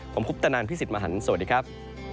ผมคุปตะนันพี่สิทธิ์มหันฯสวัสดีครับ